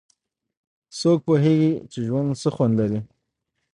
څوک پوهیږي چې ژوند څه خوند لري